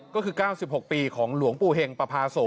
ก็คือ๙๖ปีของหลวงปู่เห็งปภาโส